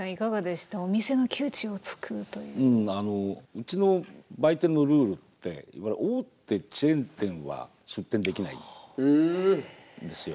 うちの売店のルールっていわゆる大手チェーン店は出店できないんですよ。